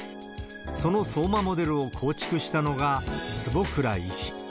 その相馬モデルを構築したのが、坪倉医師。